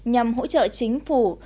nhằm hỗ trợ chính phủ